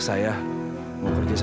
satu dua tiga ci